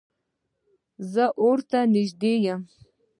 زه اور ته نږدې یم